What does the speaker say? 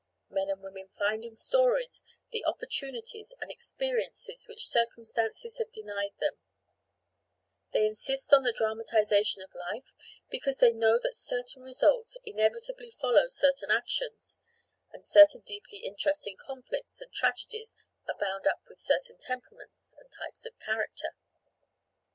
Men and women find in stories the opportunities and experiences which circumstances have denied them; they insist on the dramatisation of life because they know that certain results inevitably follow certain actions, and certain deeply interesting conflicts and tragedies are bound up with certain temperaments and types of character.